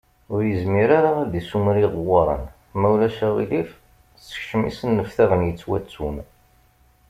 Ur yezmir ara ad d-isumer iɣewwaṛen, ma ulac aɣilif sekcem isenneftaɣen yettwattun.